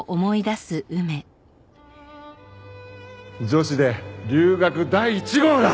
女子で留学第一号だ！